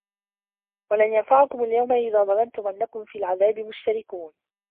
وَلَن يَنفَعَكُمُ اليَومَ إِذ ظَلَمتُم أَنَّكُم فِي العَذابِ مُشتَرِكونَ